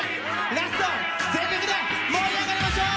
ラスト、全力で盛り上がりましょう！